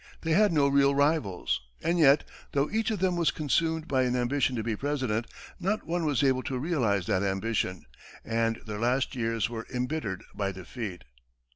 They had no real rivals. And yet, though each of them was consumed by an ambition to be President, not one was able to realize that ambition, and their last years were embittered by defeat.